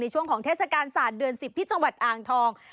ช่วงของเทศกาลศาสตร์เดือน๑๐ที่จังหวัดอ่างทอง